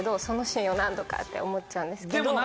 そのシーンを何とかって思っちゃうんですけど。